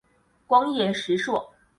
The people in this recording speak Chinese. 光叶石栎